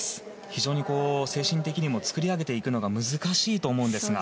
非常に精神的にも作り上げていくのが難しいと思うんですが。